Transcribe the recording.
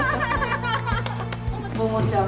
桃ちゃん